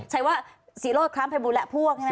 ใช้ว่าศรีโรธครั้งภายบุตรและพวกใช่ไหมครับ